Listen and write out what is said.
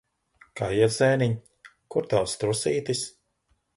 Kā iet, zēniņ? Kur tavs trusītis?